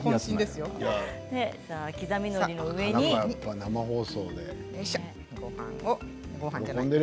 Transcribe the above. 生放送で。